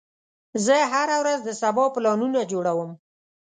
زه هره ورځ د سبا پلانونه جوړوم.